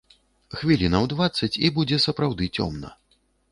Хвілінаў дваццаць і будзе сапраўды цёмна.